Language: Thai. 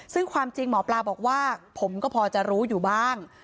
ซึ่งความจริงหมอปลาบอกว่าผมก็พอจะรู้อยู่บ้าง